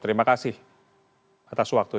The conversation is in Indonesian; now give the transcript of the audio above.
terima kasih atas waktunya